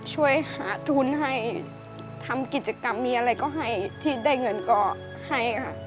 ช่วยหาทุนให้ทำกิจกรรมมีอะไรก็ให้ที่ได้เงินก็ให้ค่ะ